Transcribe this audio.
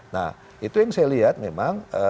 nah itu yang saya lihat memang